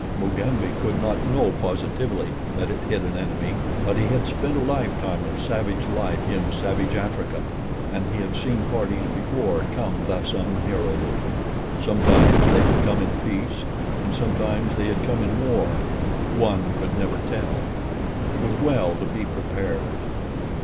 Mugambi could not know positively that it hid an enemy; but he had spent a lifetime of savage life in savage Africa, and he had seen parties before come thus unheralded. Sometimes they had come in peace and sometimes they had come in war—one could never tell. It was well to be prepared.